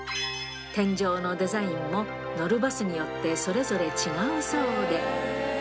天井のデザインも、乗るバスによってそれぞれ違うそうで。